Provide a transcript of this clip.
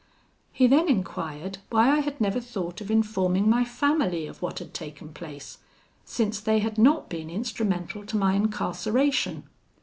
"He then enquired why I had never thought of informing my family of what had taken place, since they had not been instrumental to my incarceration.